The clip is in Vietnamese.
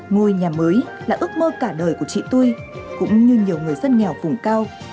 ngôi nhà mới là ước mơ cả đời của chị tôi cũng như nhiều người dân nghèo vùng cao